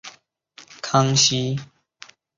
康熙二十六年中式丁卯科江南乡试举人。